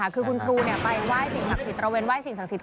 คือคุณครูไปไหว้สิ่งศักดิ์สิทธิตระเวนไห้สิ่งศักดิ์สิทธ